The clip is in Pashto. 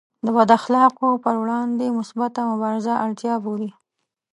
د بد اخلاقیو پر وړاندې مثبته مبارزه اړتیا بولي.